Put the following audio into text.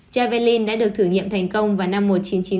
javelin đã được thử nghiệm thành công vào năm một nghìn chín trăm chín mươi